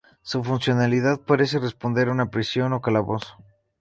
Su funcionalidad parece responder a una prisión o calabozo.